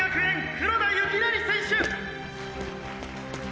黒田雪成選手！」